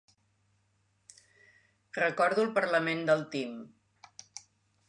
Recordo el parlament del Tim.